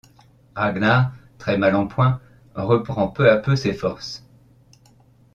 Ragnar, très mal en point, reprend peu à peu ses forces.